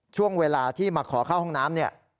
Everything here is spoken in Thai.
ช่วงเวลาที่มาขอเข้าห้องน้ำเนี่ย